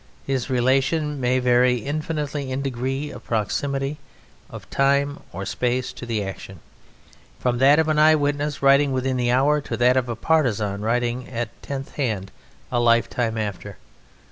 His relation may vary infinitely in degree of proximity of time or space to the action, from that of an eye witness writing within the hour to that of a partisan writing at tenth hand a lifetime after.